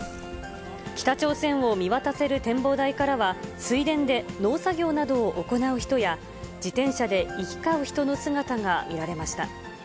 北朝鮮を見渡せる展望台からは、水田で農作業などを行う人や、自転車で行き交う人の姿が見られました。